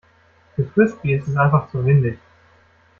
Für Frisbee ist es einfach zu windig.